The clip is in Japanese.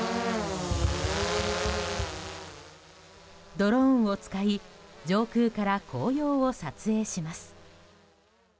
ドローンを使い上空から紅葉を撮影します。